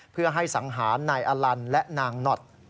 เพื่อให้สังหารนายอลันและนางหนอด